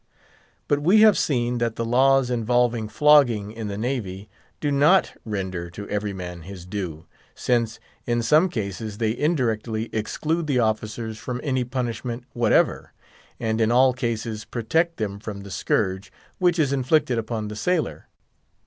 But we have seen that the laws involving flogging in the Navy do not render to every man his due, since in some cases they indirectly exclude the officers from any punishment whatever, and in all cases protect them from the scourge, which is inflicted upon the sailor.